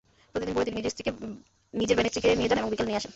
প্রতিদিন ভোরে তিনি নিজের ভ্যানে স্ত্রীকে দিয়ে যান এবং বিকেলে নিতে আসেন।